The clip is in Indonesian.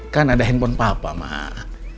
kan ada handphone papa mah